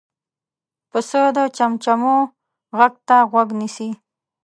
پسه د چمچمو غږ ته غوږ نیسي.